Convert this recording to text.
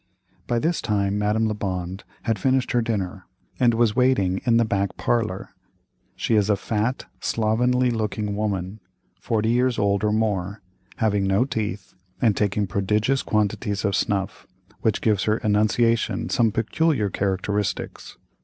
By this time, Madame Lebond had finished her dinner, and was waiting in the back parlor. She is a fat, slovenly looking woman, forty years old or more, having no teeth, and taking prodigious quantities of snuff, which gives her enunciation some peculiar characteristics.